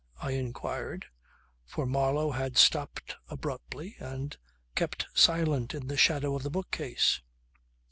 I inquired, for Marlow had stopped abruptly and kept silent in the shadow of the bookcase.